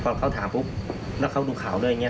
พอเขาถามปุ๊บแล้วเขาดูข่าวด้วยอย่างนี้